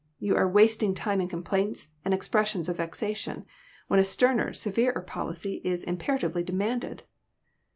You are wasting time in complaints and expressions of vexation, when a sterner, severer policy is Imperatively demanded."